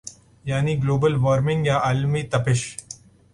یعنی global warming یا عالمی تپش